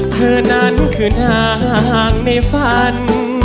เธอนั้นคือนางในฟัน